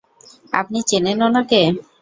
আপনি চেনেন উনাকে?